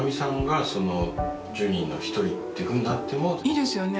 いいですよね